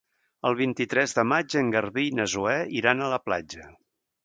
El vint-i-tres de maig en Garbí i na Zoè iran a la platja.